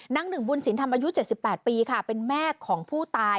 หนึ่งบุญสินธรรมอายุ๗๘ปีค่ะเป็นแม่ของผู้ตาย